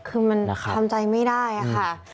คือมันทำใจไม่ได้ค่ะ